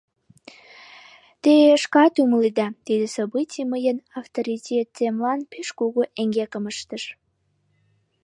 Те шкат умыледа, тиде событий мыйын авторитетемлан пеш кугу эҥгекым ыштыш.